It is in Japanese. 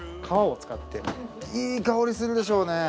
いい香りするでしょうね。